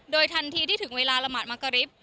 โดยทันทีที่ถึงเวลาละหมาดมักกะริบ